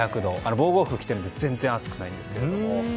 防護服着てるので全然熱くないんですけど。